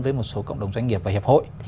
với một số cộng đồng doanh nghiệp và hiệp hội